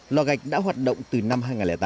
lò gạch đã hoạt động từ năm hai nghìn tám